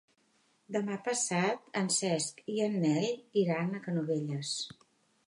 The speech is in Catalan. Demà passat en Cesc i en Nel iran a Canovelles.